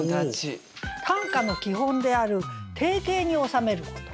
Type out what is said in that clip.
短歌の基本である定型に収めること。